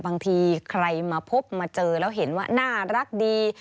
บางทีใครมาพบมาเจอแล้วเห็นว่าน่ารักดี